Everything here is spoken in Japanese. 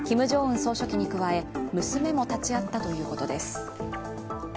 総書記に加え娘も立ち会ったということです。